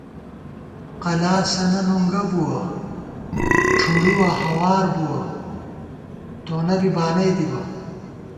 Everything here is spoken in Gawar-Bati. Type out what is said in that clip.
قلاسَنہ نُنگہ بُوَہ، ڄھُڑُوَہ ہوار بُوَہ تونہ بی بانَئ دِبہ